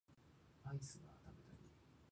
アイスが食べたい